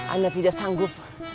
anda tidak sanggup